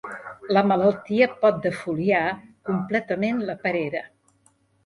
La malaltia pot defoliar completament la perera.